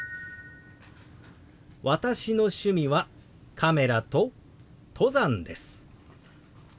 「私の趣味はカメラと登山です」。